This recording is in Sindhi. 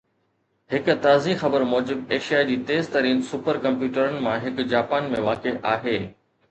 هڪ تازي خبر موجب ايشيا جي تيز ترين سپر ڪمپيوٽرن مان هڪ جاپان ۾ واقع آهي